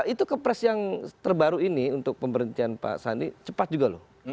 itu kepres yang terbaru ini untuk pemberhentian pak sandi cepat juga loh